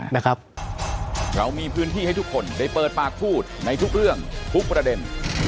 นะครับเรามีพื้นที่ให้ทุกคนได้เปิดปากพูดในทุกเรื่องทุกประเด็น